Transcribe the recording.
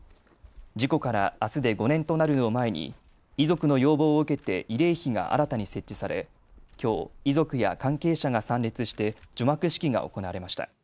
事故からあすで５年となるのを前に遺族の要望を受けて慰霊碑が新たに設置され、きょう、遺族や関係者が参列して除幕式が行われました。